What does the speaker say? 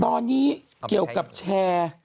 ตอนนี้เกี่ยวกับแชร์